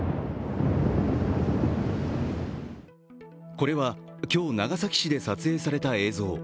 これは、今日長崎市で撮影された映像。